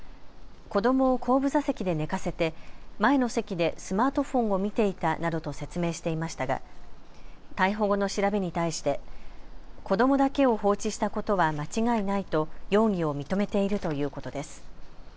子どもを後部座席で寝かせて前の席でスマートフォンを見ていたなどと説明していましたが逮捕後の調べに対して子どもだけを放置したことは間違いないと容疑を認めているということです。